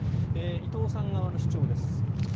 伊藤さんの主張です。